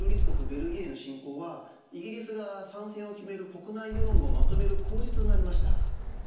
ベルギーへの侵攻はイギリスが参戦を決める国内世論をまとめる口実になりました。